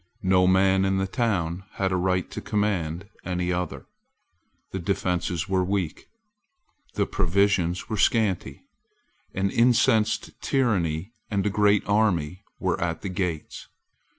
No man in the town had a right to command any other: the defences were weak: the provisions were scanty: an incensed tyrant and a great army were at the gates.